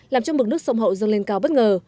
làm cho mực nước sông hậu dâng lên cao bất ngờ